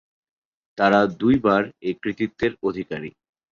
তারা দুইবার এ কৃতিত্বের অধিকারী।